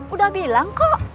udah bilang kok